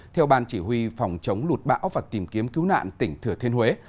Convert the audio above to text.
theo ban chỉ huy phòng chống lụt bão và tìm kiếm cứu nạn tỉnh thừa thiên huế